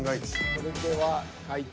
それでは解答